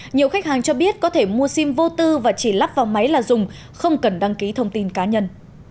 nhiều khách hàng cho biết có thể mua sim vô tư và chỉ lắp vào máy là dùng không cần đăng ký thông tin cá nhân